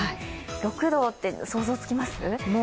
６度って想像つきます？